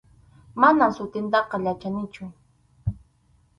Manam sutintaqa yuyanichu.